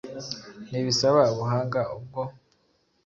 Ntibisaba ubuhanga ubwo